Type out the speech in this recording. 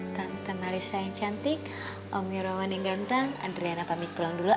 tante marissa yang cantik om yeroman yang ganteng adriana pamit pulang dulu